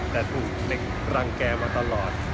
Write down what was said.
แต่ถูกรังแกมาตลอด